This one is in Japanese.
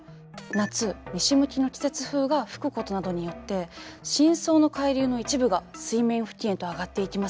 夏西向きの季節風が吹くことなどによって深層の海流の一部が水面付近へと上がっていきます。